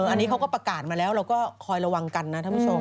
อันนี้เขาก็ประกาศมาแล้วเราก็คอยระวังกันนะท่านผู้ชม